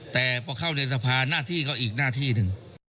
แต่พอเข้าในสภาหน้าที่ก็อีกหน้าที่หนึ่ง